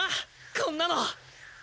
こんなの。